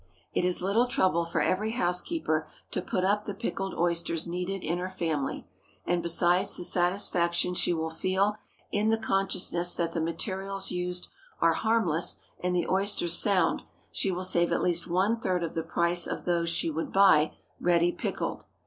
It is little trouble for every housekeeper to put up the pickled oysters needed in her family; and besides the satisfaction she will feel in the consciousness that the materials used are harmless, and the oysters sound, she will save at least one third of the price of those she would buy ready pickled.